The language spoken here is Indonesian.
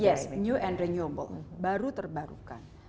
yes new and renewable baru terbarukan